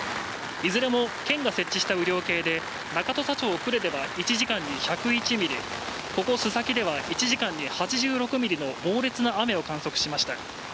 いずれも県が設置した雨量計で、中土佐町久礼では１時間に１０１ミリ、ここ須崎では１時間に８６ミリの猛烈な雨を観測しました。